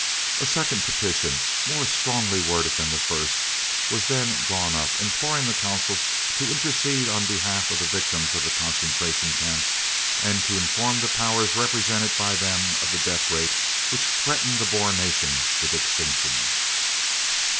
A second petition, more strongly worded than the first, was then drawn up, imploring the Consuls to intercede on behalf of the victims of the Concentration Camps and to inform the Powers represented by them, of the death rate which threatened the Boer nation with extinction.